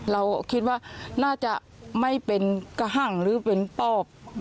เราคิดว่าน่าจะไม่เป็นกระหั่งหรือเป็นปอบ